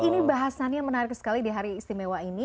ini bahasannya menarik sekali di hari istimewa ini